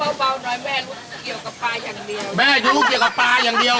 ถามเบาหน่อยแม่รู้เกี่ยวกับปลาอย่างเดียว